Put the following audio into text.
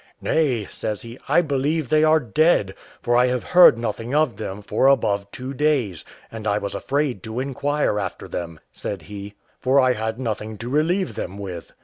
"Nay," says he, "I believe they are dead, for I have heard nothing of them for above two days; and I was afraid to inquire after them," said he, "for I had nothing to relieve them with."